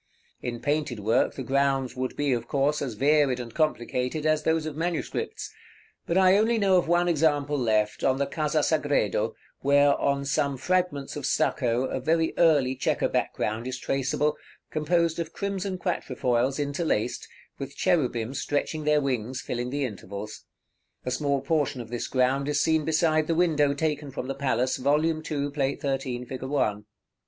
In painted work the grounds would be, of course, as varied and complicated as those of manuscripts; but I only know of one example left, on the Casa Sagredo, where, on some fragments of stucco, a very early chequer background is traceable, composed of crimson quatrefoils interlaced, with cherubim stretching their wings filling the intervals. A small portion of this ground is seen beside the window taken from the palace, Vol. II. Plate XIII. fig. 1. § XXXIII.